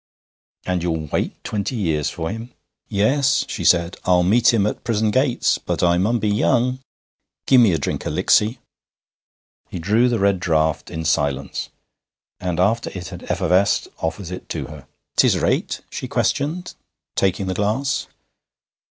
'And you'll wait twenty years for him?' 'Yes,' she said; 'I'll meet him at prison gates. But I mun be young. Give me a drink o' Licksy.' He drew the red draught in silence, and after it had effervesced offered it to her. ''Tis raight?' she questioned, taking the glass.